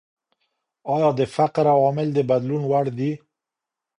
ايا د فقر عوامل د بدلون وړ دي؟